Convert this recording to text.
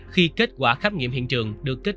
khi kết quả khám nghiệm hiện trường